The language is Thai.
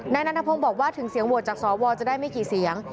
นันทพงศ์บอกว่าถึงเสียงโหวตจากสวจะได้ไม่กี่เสียง